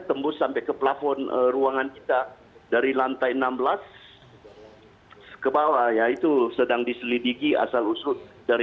kedua anggota dpr tersebut juga tidak mengalami luka